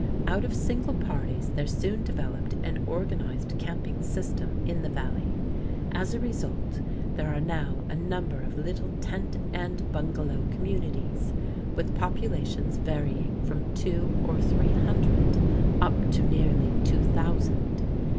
Out of single parties, there soon developed an organized camping system in the Valley. As a result, there are now a number of little tent and bungalow communities, with populations varying from two or three hundred up to nearly two thousand.